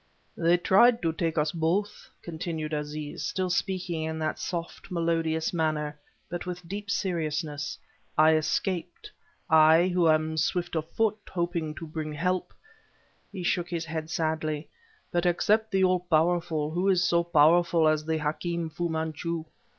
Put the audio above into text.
"They tried to take us both," continued Aziz still speaking in that soft, melodious manner, but with deep seriousness. "I escaped, I, who am swift of foot, hoping to bring help." He shook his head sadly "But, except the All Powerful, who is so powerful as the Hakim Fu Manchu?